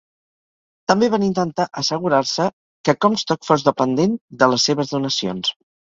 També van intentar assegurar-se que Comstock fos dependent de les seves donacions.